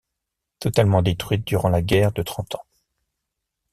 Totalement détruite durant la guerre de Trente Ans.